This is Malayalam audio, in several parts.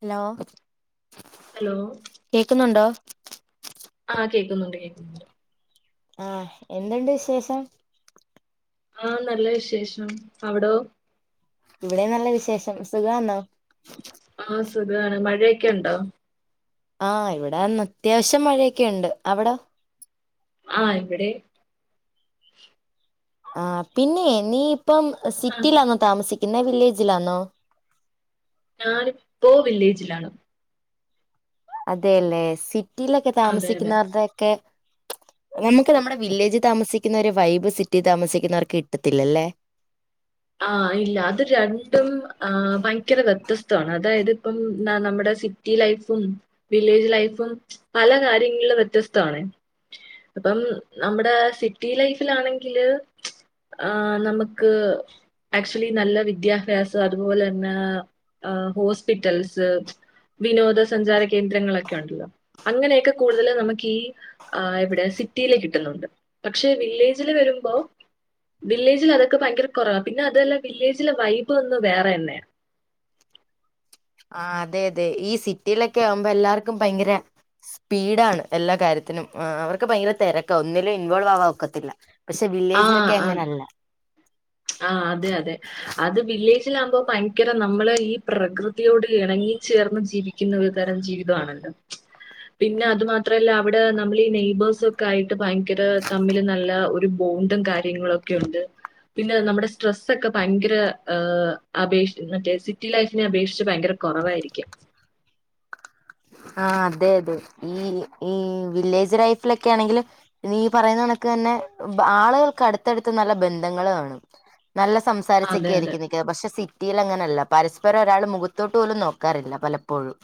ഹലോ ഹലോ കേക്ക്ന്നുണ്ടോ? ആഹ് കേക്കുന്നുണ്ട് കേക്കുന്നുണ്ട്. ആഹ് എന്തുണ്ട് വിശേഷം. ആഹ് നല്ല വിശേഷം. അവിടോ? ഇവിടെ നല്ല വിശേഷം. സുഖാന്നോ? ആഹ് സുഖാണ്. മഴയൊക്കെ ഉണ്ടോ? ആ ഇവിടാന്ന് അത്യാവശ്യം മഴയൊക്കെയുണ്ട്. അവിടോ? ആ ഇവിടേം ആ പിന്നെയേ, നീ ഇപ്പം ആഹ് സിറ്റിയിലാന്നോ താമസിക് പിന്നെ വില്ലേജിലാന്നോ? ഞാനിപ്പോ വില്ലേജിലാണ് അതേല്ലെ സിറ്റ് റ്റിയിലൊക്കെ അതെ അതെ താമസിക്കുന്നവരുടെ ഒക്കെ നമുക്ക് നമ്മുടെ വില്ലേജ് താമസിക്കുന്നൊരു വൈബ് സിറ്റി താമസിക്കുന്നവർക്ക് കിട്ടത്തില്ലല്ലേ? ആഹ് ഇല്ല അത് രണ്ടും ആഹ് ഭയങ്കര വ്യത്യസ്തവാണ്. അതായതിപ്പം ന നമ്മുടെ സിറ്റി ലൈഫും വില്ലേജ് ലൈഫും പല കാര്യങ്ങളിലും വ്യത്യസ്തവാണേ. അപ്പം നമ്മുടെ സിറ്റി ലൈഫിലാണെങ്കില് ആ നമ്ക്ക് ആക്ച്ച്വലി നല്ല വിദ്യാഭ്യാസം അതുപോലെന്നെ ഹോസ്പിറ്റൽസ്, വിനോദ സഞ്ചാര കേന്ദ്രങ്ങളൊക്കെ ഉണ്ടല്ലോ അങ്ങനെയൊക്കെ കൂടുതല് നമ്ക്ക് ഈ എവിടെ സിറ്റീല് കിട്ടുന്നുണ്ട്. പക്ഷെ വില്ലേജില് വരുമ്പോ വില്ലേജിൽ അതൊക്കെ ഭയങ്കര കുറവ പിന്നെ അതല്ല വില്ലേജിലെ വൈബ് ഒന്ന് വേറെന്നെയാ. ആ അതെ അതെ. ഈ സിറ്റിയിലൊക്കെ ആകുമ്പോ എല്ലാർക്കും ഭയങ്കര സ്പീഡാണ് എല്ലാ കാര്യത്തിനും. അവർക്ക് ഭയങ്കര തെരക്കാ, ഒന്നിലും ഇൻവോൾവ് ആവാൻ ഒക്കത്തില്ല. പക്ഷെ ആ വില്ലേജിലൊക്കെ ആ അങ്ങനല്ല ആ അതെ അതെ അത് വില്ലേജിൽ ആകുമ്പോ ഭയങ് യങ്കര നമ്മള് ഈ പ്രകൃതിയോട് ഇണങ്ങി ചേർന്ന് ജീവിക്കുന്ന ഒരു തരം ജീവിതമാണല്ലോ? പിന്നെ അത് മാത്രമല്ല അവിടെ നമ്മൾ ഈ നെയ്ബേഴ്സൊക്കെ ആയിട്ട് ഭയങ്കര തമ്മില് നല്ല ഒരു ബോണ്ടും കാര്യങ്ങളും ഒക്കെ ഉണ്ട് പിന്നെ നമ്മുടെ സ്ട്രെസ്സ് ഒക്കെ ഭയങ്കര ഏ അപേക്ഷ മറ്റേ സിറ്റി ലൈഫിനെ അപേക്ഷിച്ച് ഭയങ്കര കുറവായിരിക്കാം ആ അതെ അതെ ഈ ഈ വില്ലേജ് ലൈഫിലൊക്കെ ആണെങ്കില് ഈ പറയുന്ന കണക്ക് തന്നെ ആളുകൾക്ക് അടുത്തടുത്ത് നല്ല ബന്ധങ്ങള് കാണും. നല്ല അതെ അതെ സംസാരിച്ചൊക്കെയാരിക്കും നിൽക്കുന്നത്. പക്ഷെ സിറ്റ് റ്റിയിലങ്ങനെയല്ല. പരസ്പരം ഒരാള് മുഖത്തോട്ട് പോലും നോക്കാറില്ല പലപ്പോഴും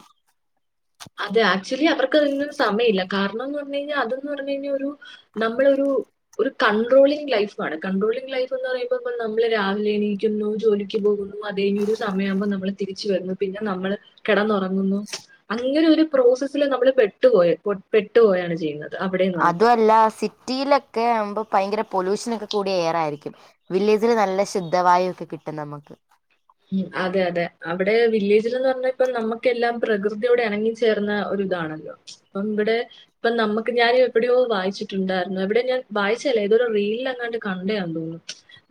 അതെ ആക്ച്ച്വലി അവർക്കതിനൊന്നും സമയില്ല. കാരണംന്ന് പറഞ്ഞു കഴിഞ്ഞാ അതന്ന് പറഞ്ഞ് കഴിഞ്ഞാ ഒരു നമ്മളൊരു ഒരു കൺട്രോളിംഗ് ലൈഫാണ്. കൺട്രോളിംഗ് ലൈഫ് എന്ന് പറയുമ്പോ ഇപ്പം നമ്മള് രാവിലെ എണീക്കുന്നു ജോലിക്ക് പോകുന്നു അതഴിഞ്ഞ് ഒരു സമയമാകുമ്പോൾ നമ്മള് തിരിച്ച് വരുന്നു പിന്നെ നമ്മൾ കെടന്നൊറങ്ങുന്നു. അങ്ങനെ ഒരു പ്രോസസ്സില് നമ്മൾ പെട്ടുപോയ പെട്ടുപോയാണ് ചെയ്യുന്നത് അവിടെ എന്ന് പറയുന്നത് അതുവല്ല സിറ്റിയിലൊക്കെ ആകുമ്പോ ഭയങ്കര പൊല്യൂഷൻ ഒക്കെ കൂടിയ എയറായിരിക്കും. വില്ലേജില് നല്ല ശുദ്ധവായു ഒക്കെ കിട്ടും നമുക്ക്. ഉം അതെ അതെ. അവടെ വില്ലേജിലെന്ന് പറഞ്ഞ ഇപ്പം നമ്മക്കെല്ലാം പ്രകൃതിയോട് എണങ്ങിച്ചേർന്ന ഒരു ഇതാണല്ലോ? അപ്പം ഇവിടെ ഇപ്പം നമ്മക്ക് ഞാനും എവിടെയോ വായിച്ചിട്ടുണ്ടായിരുന്നു എവിടെയോ ഞാൻ വായിച്ചതല്ല ഏതൊരു റീലിൽ എങ്ങാണ്ട് കണ്ടയാന്നു തോന്നുന്നു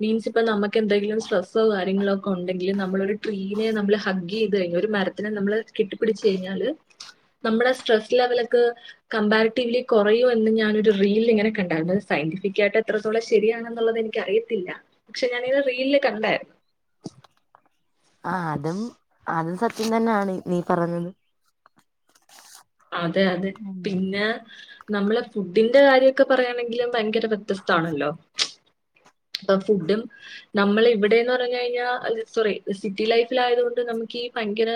മീൻസ് ഇപ്പം നമക്ക് ക്കെണ്ടെങ്കിലും സ്ട്രസ്സോ കാര്യങ്ങളോ ഒക്കെ ഉണ്ട് ങ്കില് നമ്മള് ഒരു ട്രീനെ നമ്മള് ഹഗ് ചെയ്ത് കഴിഞ്ഞ ഒരു മരത്തിനെ നമ്മള് കെട്ടി പിടിച്ച് കഴിഞ്ഞാല് നമ്മുടെ സ്ട്രെസ് ലെവല് ഒക്കെ കമ്പാരിറ്റീവിലി കുറയും എന്ന് ഞാനൊരു റീൽ ഇങ്ങനെ കണ്ടായിരുന്നു. സയന്റിഫിക്കായിട്ട് എത്രത്തോളം ശരിയാണെന്നുള്ളത് എനിക്ക് അറിയത്തില്ല. പക്ഷെ ഞാനേതോ റീലില് കണ്ടായിരുന്നു. ആ അതും അതും സത് ത്യം തന്നെയാണ് നീ പറഞ്ഞത് അതെ അതെ ഉം പിന്നെ നമ്മള് ഫുഡിന്റെ കാര്യൊക്കെ പറയാണെങ്കിലും ഭയങ്കര വ്യത്യസ്താണല്ലോ? അപ്പ ഫുഡും നമ്മൾ ഇവിടെന്ന് പറഞ്ഞു കഴിഞ്ഞാ, സോറി സിറ്റി ലൈഫിൽ ആയതുകൊണ്ട് നമുക്ക് ഈ ഭയങ്കര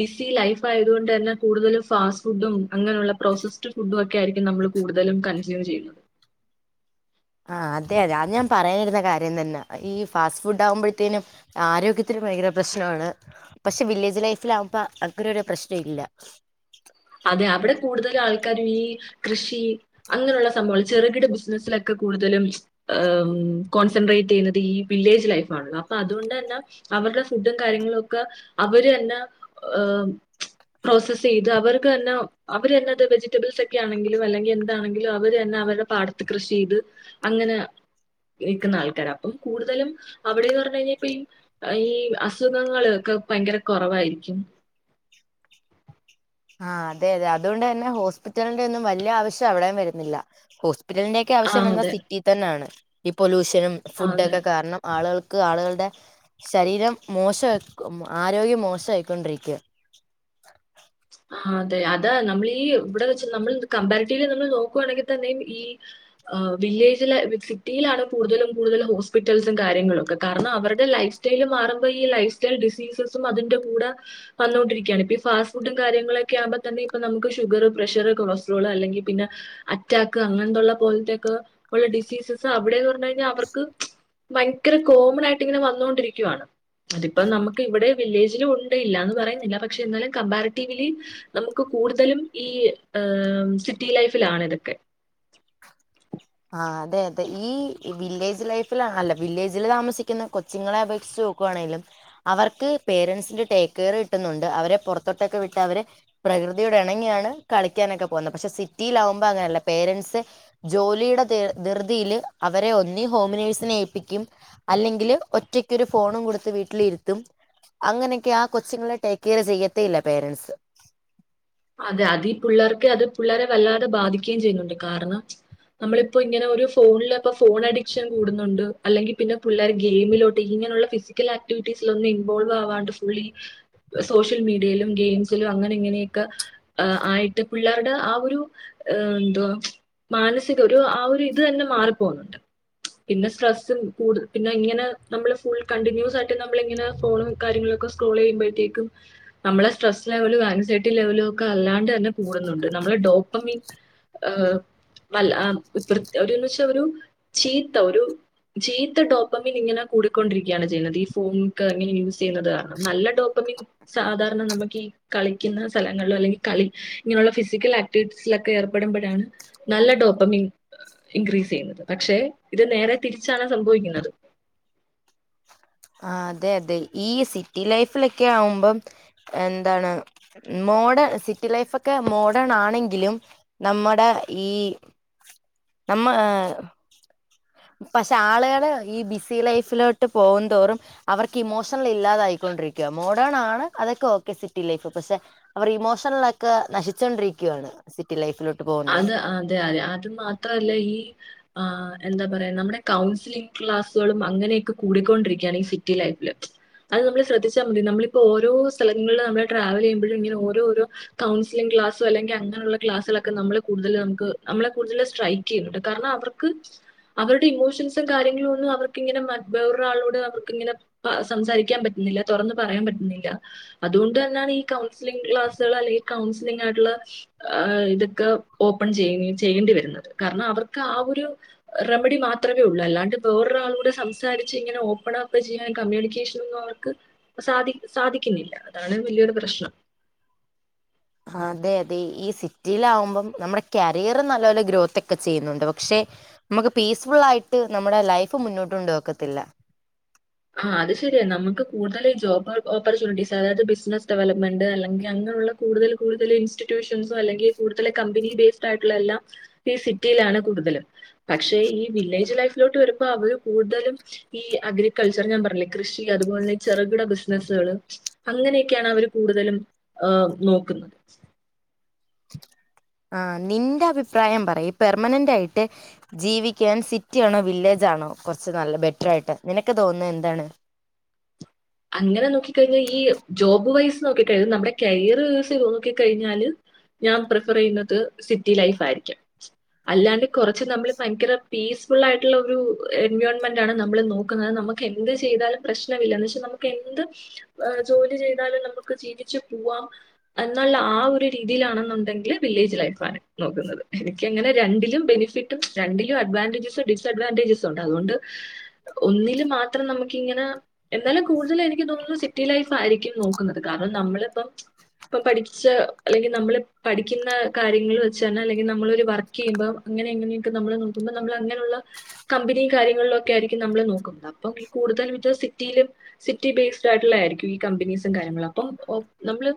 ബിസി ലൈഫ് ആയതുകൊണ്ട് തന്നെ കൂടുതലും ഫാസ്റ്റ് ഫുഡും അങ്ങനെയുള്ള പ്രോസസ്ഡ് ഫുഡും ഒക്കെ ആയിരിക്കും നമ്മൾ കൂടുതലും കൺസ്യൂം ചെയ്യുന്നത്. ആ അതെ അതെ അത് ഞാൻ പറയാനിരുന്ന കാര്യം തന്നാ. ഈ ഫാസ്റ്റ് ഫുഡ് ആകുമ്പോഴത്തേനും ആരോഗ്യത്തിന് ഭയങ്കര പ്രശ്നമാണ്. പക്ഷേ വില്ലേജ് ലൈഫിൽ ആകുമ്പ അങ്ങനെ ഒരു പ്രശ്നം ഇല്ല. അതെ അവടെ കൂടുതലും ആൾക്കാരും ഈ കൃഷി അങ്ങനെയുള്ള സംഭവങ്ങൾ ചെറുകിട ബിസിനസിലൊക്കെ കൂടുതലും കോൺസെൻട്രേറ്റ് ചെയ്യുന്നത് ഈ വില്ലേജ് ലൈഫ് ആണല്ലോ അപ്പൊ അതുകൊണ്ട് തന്നെ അവരുടെ ഫുഡും കാര്യങ്ങളും ഒക്കെ അവര് തന്നെ പ്രോസസ് ചെയ്ത് അവർ ക്ക് തന്നെ അവര് തന്നെ അത് വെജിറ്റബിൾസ് ഒക്കെ ആണെങ്കിലും അല്ലെങ്കിൽ എന്താണെങ്കിലും അവര് തന്നെ അവരുടെ പാടത്ത് കൃഷി ചെയ്ത് അങ്ങനെ നിക്കുന്ന ആൾക്കാരാ. അപ്പം കൂടുതലും അവിടെന്ന് പറഞ്ഞു കഴിഞ്ഞാൽ ഇപ്പം ഈ ഈ അസുഖങ്ങൾ ഒക്കെ ഭയങ്കര കുറവായിരിക്കും ആ അതെ അതെ അതുകൊണ്ട് തന്നെ ഹോസ്പിറ്റലിന്റെ ഒന്നും വല്യ ആവശ്യം അവിടെയും വരുന്നില്ല. ഹോസ് പിറ്റലിന്റെ ഒക്കെ ആ ആവശ്യം വരുന്നത് അതെ സിറ്റി തന്നാണ് ഈ പൊല്യൂഷ നും ആ ഫുഡൊക്കെ കാരണം ആളുകൾ ക്ക്‌ ആളുകളുടെ ശരീരം മോശക്ക്‌ ആരോഗ്യം മോശമായിയിക്കൊണ്ടിരിക്കുവ ആ അതെ അതെ നമ്മൾ ഈ ഇവിടെ വെച്ച് നമ്മൾ ഈ കമ്പാരിറ്റീവിലി നമ്മൾ നോക്കുയാണെങ്കിൽ തന്നെയും ഈ വില്ലേജില് സിറ്റിയിലാണ് കൂടുതലും കൂടുതൽ ഹോസ്പിറ്റൽസും കാര്യങ്ങളു ഒക്കെ കാരണം അവരുടെ ലൈഫ് സ്റ്റൈല് മാറുമ്പോ ഈ ലൈഫ് സ്റ്റൈൽ ഡിസീസസും അതിന്റെ കൂടെ വന്നോണ്ടിരിക്കുകയാണ് [unintelligible] ഫുഡും കാര്യങ്ങളൊക്കെ ആവുമ്പോതന്നെ ഇപ്പൊ തന്നെ ഇപ്പോ നമുക്ക് ഷുഗർ, പ്രഷർ, കൊളസ്ട്രോൾ അല്ലെങ്കിൽ പിന്നെ അറ്റാക്ക് അങ്ങനത്തെ ഉള്ള പോലത്തെ ഒക്കെ ഉള്ള ഡിസീസസ് അവിടെ എന്ന് പറഞ്ഞു കഴിഞ്ഞാൽ അവർക്ക് ഭയങ്കര കോമൺ ആയിട്ട് ഇങ്ങനെ വന്നോണ്ടിരിക്കുവാണ് അതിപ്പോ നമുക്ക് ഇവിടെ വില്ലേജിലും ഉണ്ട്, ഇല്ല എന്ന് പറയുന്നില്ല പക്ഷേ എന്നാലും കമ്പാര [unintelligible] റ്റിവിലി നമുക്ക് കൂടുതലും ഈ സിറ്റി ലൈഫിലാണ് ഇതൊക്കെ ആ അതെ അതെ ഈ വില്ലേജ് ലൈഫിൽ അല്ല വില്ലേജിൽ താമസിക്കുന്ന കൊച്ചുങ്ങളെ അപേക്ഷിച്ച് നോക്കുകയാണെങ്കി അവർക്ക് പേരൻറ്സിന്റെ ടേക്ക് കെയർ കിട്ടുന്നുണ്ട് അവരെ പുറത്തോട്ടൊക്കെ വിട്ട് അവരെ പ്രകൃതിയോട് ഇണങ്ങിയാണ് കളിക്കാനൊക്കെ പോകുന്നത് പക്ഷെ സിറ്റിലാകുമ്പോ അങ്ങനെയല്ല പേരൻറ്സ് ജോലി [unintelligible] ധൃതിയില് അവരെ ഒന്നി ഹോംനഴ്സിനെ ഏപ്പിക്കും അല്ലെങ്കിൽ ഒറ്റക്കൊരു ഫോണും കൊടുത്ത് വീട്ടിലിരുത്തും അങ്ങനെയൊക്കെ ആ കൊച്ചുങ്ങളെ ടേക്ക് കെയർ ചെയ്യത്തേ ഇല്ല പേരൻറ്സ് അത് അതിപുള്ളർക്ക് അത് പുള്ളരെ വല്ലാതെ ബാധിക്കുകയും ചെയ്യുന്നുണ്ട് കാരണം നമ്മളിപ്പോ ഇങ്ങനെ ഒരു ഫോണിൽ ഇപ്പൊ ഫോൺ അഡിക്ഷൻ കൂടുന്നുണ്ട് അല്ലെങ്കിൽ പിന്നെ പുള്ളർ ഗെയിമിലോട്ട് ഇങ്ങനെയുള്ള ഫിസിക്കൽ ആക്ടിവിറ്റീസിൽ ഒന്നും ഇൻവോൾവ് ആവാണ്ട് ഫുള്ളി സോഷ്യൽ മീഡിയയിലും ഗെയിംസിലും അങ്ങനെ ഇങ്ങനെ [unintelligible] ആയിട്ട് പിള്ളേരുടെ ആ ഒരു എന്തുവാ മാനസിക ഒരു ആ ഒരു ഇത് തന്നെ മാറി പോകുന്നുണ്ട് പിന്നെ സ്ട്രെസ്സ് പിന്നെ ഇങ്ങനെ നമ്മൾ ഫുൾ കണ്ടിന്യൂസ് ആയിട്ട് നമ്മൾ ഇങ്ങനെ ഫോണും കാര്യങ്ങളും ഒക്കെ സ്ക്രോൾ ചെയ്യുമ്പോഴത്തേക്കും നമ്മുടെ സ്ട്രെസ്സ് ലെവൽ [unintelligible] [unintelligible] [unintelligible] [unintelligible] കൂടുന്നുണ്ട് നമ്മടെ ഡോപമിന്‍ [unintelligible] അല്ല [unintelligible] [unintelligible] ഒരു ചീത്ത ഒരു ചീത്ത ഡോപ്പമിൻ ഇങ്ങനെ കൂടിക്കൊണ്ടിരിക്കുകയാണ് ചെയ്യുന്നത് ഈ ഫോൺ ഒക്കെ എങ്ങനെ യൂസ് ചെയ്യുന്നത് കാരണം നല്ല ഡോപ്പമിൻ സാധാരണ നമുക്ക് ഈ ക [unintelligible] [unintelligible] സ്ഥലങ്ങളിലോ അല്ലെങ്കിൽ കളി ഇങ്ങനെയുള്ള ഫിസിക്കൽ ആക്ടിവിറ്റീസിലൊക്കെ ഏർപ്പെടുമ്പോഴാണ് നല്ല ഡോപ്പമിൻ ഇൻക്രീസ് ചെയ്യുന്നത് പക്ഷെ ഇത് നേരെ തിരിച്ചാണ് സംഭവിക്കുന്നത് ആ അതെ അതെ ഈ സിറ്റി ലൈഫിലൊക്കെ ആവുമ്പം എന്താണ് മോഡേൺ സിറ്റി ലൈഫൊക്കെ മോഡേൺ ആണെങ്കിലും നമ്മുടെ ഈ നമ്മ [unintelligible] പക്ഷെ ആളുകള് ഈ ബിസി ലൈഫിലോട്ട് പോകു [unintelligible] തോറും അവർക്ക് ഇമോഷ് [unintelligible] [unintelligible] ഇല്ലാതായിക്കൊണ്ടിരിക്കുവ മോ [unintelligible] ആണ് ആണ് അതൊക്കെ ഓക്കെ സിറ്റി ലൈഫ് പക്ഷെ അവർ ഇമോഷണലൊക്കെ നശിച്ചൊണ്ടിരിക്കുവാണ് സിറ്റി ലൈഫ് അത് അതെ അതെ അത് മാത്രല്ല ഈ ആ് എന്താ പറയാ നമ്മുടെ കൗൺസിലിംഗ് ക്ലാസ്സുകളും അങ്ങനെയൊക്കെ കൂടിക്കൊണ്ടിരിക്കുകയാണ് ഈ സിറ്റി ലൈഫില് അത് നമ്മള് ശ്രദ്ധിച്ചാൽ മതി നമള് ഇപ്പോ ഓരോ സ്ഥലങ്ങളിൽ നമ്മള് ട്രാവൽ ചെയ്യുമ്പഴും ഇങ്ങനെ ഓരോ ഓരോ കൗൺസിലിംഗ് ക്ലാസ്സോ അല്ലെങ്കി അങ്ങനെയുള്ള ക്ലാസ്സുകളൊക്കെ നമ്മളെ കൂടുതൽ നമുക്ക് നമ്മളെ കൂടുതൽ സ്ട്രൈക്ക് ചെയ്യും കാരണം അവർക്ക് അവരുടെ ഇമോഷൻസും കാര്യങ്ങളും ഒന്നും അവർക്കിങ്ങനെ മ വേറൊരാളോട് അവർക്കിങ്ങനെ സംസാരിക്കാൻ പറ്റുന്നില്ല തുറന്നു പറയാൻ പറ്റുന്നില്ല അതുകൊണ്ടുതന്നെയാണ് ഈ കൗൺസിലിംഗ് ക്ലാസുകൾ അല്ലെങ്കിൽ കൗൺസിലിംഗ് ആയിട്ടുള്ള ആ [unintelligible] [unintelligible] ഓപ്പൺ ചെയ്യും [unintelligible] ചെയ്യേണ്ടി വരുന്നത് കാരണം അവർക്ക് ആ ഒരു റെമഡി മാത്രമേ ഉള്ളൂ അല്ലാണ്ട് വേറൊരാളോട് സംസാരിച്ച് ഇങ്ങനെ ഓപ്പൺ ആക്കുകയോ ചെയ്യാം കമ്മ്യൂണിക്കേഷൻ ഒന്നും അവർക്ക് സാധി സാധിക്കുന്നില്ല അതാണ് വലിയൊരു പ്രശ്നം. അതെ അതെ ഈ സിറ്റിയില ആകുമ്പം നമ്മുടെ കരിയർ നല്ലപോലെ ഗ്രോത്ത് ഒക്കെ ചെയ്യുന്നുണ്ട് പക്ഷെ നമുക്ക് പീസ്ഫുൾ ആയിട്ട് നമ്മുടെ ലൈഫ് മുന്നോട്ട് കൊണ്ടോവാനോക്കത്തില്ല ആ അത് ശരിയ നമുക്ക് കൂടുതൽ ജോബ് ഓപ്പർച്യൂണിറ്റീസ് അതായത് ബിസിനസ്സ് ഡെവലപ്മെന്റ് അല്ലെങ്കിൽ അങ്ങനെയുള്ള കൂടുതൽ കൂടുതൽ ഇൻസ്റ്റിറ്റ്യൂഷൻസോ അല്ലെങ്കിൽ കൂടുതൽ കമ്പനി ബേസ്ഡ് ആയിട്ടുള്ള എല്ലാം ഈ സിറ്റിയിലാണ് കൂടുതലും പക്ഷെ ഈ വില്ലേജ് ലൈഫിലോട്ട് വരുമ്പോ അവര് കൂടുതലും ഈ അഗ്രി കൾച്ചർ ഞാൻ പറഞ്ഞില്ലേ കൃഷി അതുപോലെ തന്നെ ചെറുകിട ബിസിനസ്സുകള് അങ്ങനെയൊക്കെയാണ് അവര് കൂടുതലും ആ നോക്കുന്നത് ആ നിന്റെ അഭിപ്രായം പറയൂ പെർമനന്റ് ആയിട്ട് ജീവിക്കാൻ സിറ്റി ആണോ വില്ലേജ് ആണോ കുറച്ച് നല്ല ബെറ്ററായിട്ട് നിനക്ക് തോന്നുന്ന എന്താണ് അങ്ങനെ നോക്കി കഴിഞ്ഞാൽ ഈ ജോബ് വൈസ് നോക്കി കഴിഞ്ഞാൽ നമ്മുടെ കരിയർ യൂസ് ചെയ്തു നോക്കി കഴിഞ്ഞാൽ ഞാൻ പ്രിഫർ ചെയ്യുന്നത് സിറ്റി ലൈഫ് ആയിരിക്കും അല്ലാണ്ട് കുറച്ച് നമ്മൾ ഭയങ്കര പീസ്ഫുൾ ആയിട്ടുള്ള ഒരു എൻവിയോൺമെൻറ് ആണ് നമ്മൾ നോക്കുന്നത് നമുക്ക് എന്ത് ചെയ്താലും പ്രശ്നമില്ല എന്ന് വെച്ച [unintelligible] എന്ത് ജോലി ചെയ്താലും നമുക്ക് ജീവിച്ചു പോവാം എന്നുള്ള ആ ഒരു രീതിയിലാണെന്നുണ്ടെങ്കില് വില്ലേജ് ലൈഫാണ് നോക്കുന്നത് എനിക്ക്ങ്ങനെ രണ്ടിലും ബെനിഫിറ്റും രണ്ടിലും അഡ്വാൻറേജസും ഡിസ്അഡ്വാൻറേജസും ഉണ്ട് അതുകൊണ്ട് ഒന്നിൽ മാത്രം നമുക്കിങ്ങനെ എന്നാലും കൂടുതലും എനിക്ക് തോന്നുന്നു സിറ്റി ലൈഫായിരിക്കും നോക്കുന്നത് കാരണം നമ്മളിപ്പം ഇപ്പം പഠിച്ച അല്ലെങ്കിൽ നമ്മള് പഠിക്കുന്ന കാര്യങ്ങൾ വെച്ച് തന്നെ അല്ലെങ്കിൽ നമ്മൾ ഒരു വർക്ക് ചെയ്യുമ്പോ അങ്ങനെ എങ്ങനെയൊക്കെ നമ്മള് നോക്കുമ്പോ നമ്മൾ അങ്ങനെയുള്ള കമ്പനിയും കാര്യങ്ങളില ഒക്കെ ആയിരിക്കും നമ്മൾ നോക്കുന്നത് അപ്പൊ കൂടുതലും ഇത് സിറ്റിയിലും സിറ്റി ബേസ്ഡ് ആയിട്ടുള്ള ആയിരിക്കും ഈ കമ്പനീസും കാര്യങ്ങളും അപ്പം നമ്മള്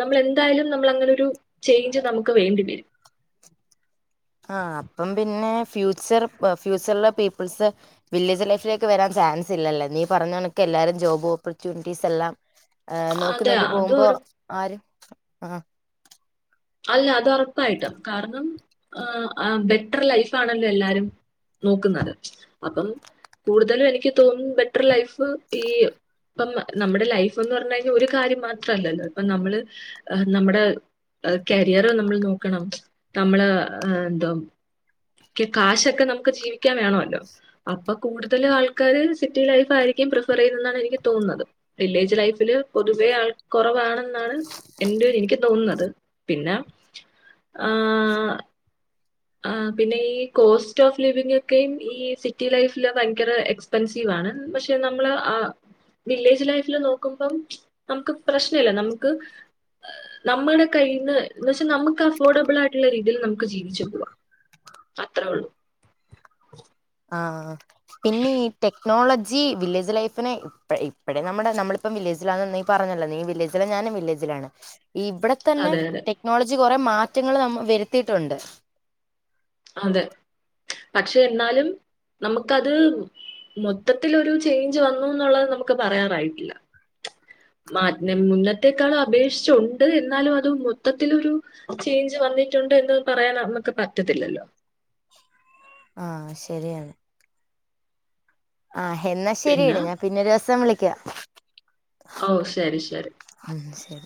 നമ്മൾ എന്തായാലും നമ്മൾ അങ്ങനെ ഒരു ചേഞ്ച് നമുക്ക് വേണ്ടിവരും ആ അപ്പം പിന്നെ ഫ്യൂച്ചർ ഫ്യൂച്ചറില പീപ്പിൾസ് വില്ലേജ് ലൈഫിലേക്ക് വരാൻ ചാൻസ് ഇല്ലല്ലേ നീ പറഞ്ഞ കണക്ക് എല്ലാരും ജോബ് ഓപ്പർച്യൂണിറ്റീസ് എല്ലാം നോക്കി അതെ നോക്കി അത് പോകുമ്പോ ഉറ- ആരും ആ അല്ല അത് ഉറപ്പായിട്ടാം കാരണം ആ ബെറ്റർ ലൈഫ് ആണല്ലോ എല്ലാരും നോക്കുന്നത് അപ്പം കൂടുതലും എനിക്ക് തോന്നുന്നു ബെറ്റർ ലൈഫ് ഈ ഇപ്പം നമ്മുടെ ലൈഫ് എന്ന് പറഞ്ഞ കഴിഞ്ഞാൽ ഒരു കാര്യം മാത്രല്ലല്ലോ ഇപ്പ നമ്മള് നമ്മുടെ കരിയർ നമ്മൾ നോക്കണം [unintelligible] നമ്മള് എന്തോ കാശൊക്കെ നമുക്ക് ജീവിക്കാൻ വേണല്ലോ അപ്പൊ കൂടുതൽ ആൾക്കാര് സിറ്റി ലൈഫ് ആയിരിക്കും പ്രിഫർ ചെയ്യുന്ന എന്നാണ് എനിക്ക് തോന്നുന്നത് വില്ലേജ് ലൈഫില് പൊതുവേ ആൾ കുറവാണെന്നാണ് എന്റെരു എനിക്ക് തോന്നുന്നത് പിന്ന ആ ആ പിന്നെ ഈ കോസ്റ്റ് ഓഫ് ലിവിംഗ്‌ ഒക്കെയും ഈ സിറ്റി ലൈഫില് ഭയങ്കര എക്സ്പെൻസീവ് ആണ് പക്ഷെ നമ്മള് വില്ലേജ് ലൈഫില് നോക്കുമ്പം നമുക്ക് പ്രശ്നമില്ല നമുക്ക് നമ്മളുടെ കയ്ന്ന് എന്ന് വച്ചാൽ നമുക്ക് അഫോർഡബിൾ ആയിട്ടുള്ള രീതിയിൽ നമുക്ക് ജീവിച്ചു പോകാം അത്രള്ളൂ ആ പിന്നെ ഈ ടെക്നോളജി വില്ലേജ് ലൈഫിനെ ഇ ഇപ്പടെ നമ്മുടെ നമ്മളിപ്പം വില്ലേജിലാന്നന്നെ പറഞ്ഞല്ലോ നീ വില്ലേജില ഞാനും വില്ലേജിലാണ് ഇവിടെ തന്നെ അതെ അതെ ടെക്നോളജി കുറെ മാറ്റങ്ങൾ നമ്മ വരുത്തിട്ടുണ്ട് അതെ പക്ഷെ എന്നാലും നമുക്കത് മൊത്തത്തിലൊരു ചേഞ്ച് വന്നു എന്നുള്ളത് നമുക്ക് പറയാറായിട്ടില്ല മാറ്റ മുന്നത്തേകാള്‍ അപേക്ഷിച്ച് ഉണ്ട് എന്നാലും അത് മൊത്തത്തിലൊരു ചേഞ്ച് വന്നിട്ടുണ്ട് എന്ന് പറയാൻ നമുക്ക് പറ്റത്തില്ലല്ലോ ആ ശരിയാണ് ആ എന്നാ ശരിയെട ഞാൻ പിന്നെ ഒരു ദിവസം വിളിക്കാ ഓ ശരി ശരി ഉം ശരി